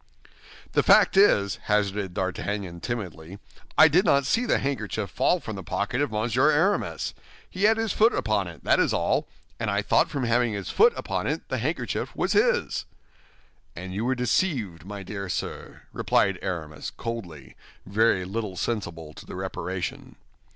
"The fact is," hazarded D'Artagnan, timidly, "I did not see the handkerchief fall from the pocket of Monsieur Aramis. He had his foot upon it, that is all; and I thought from having his foot upon it the handkerchief was his." "And you were deceived, my dear sir," replied Aramis, coldly, very little sensible to the reparation.